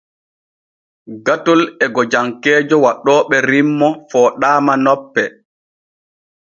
Gatol e gojankeejo waɗooɓe rimmo fooɗaama nope.